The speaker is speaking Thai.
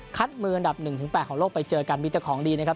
คัดมืออันดับหนึ่งถึงแปดของโลกไปเจอกันมีแต่ของดีนะครับ